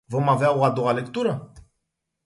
Vom avea o a doua lectură?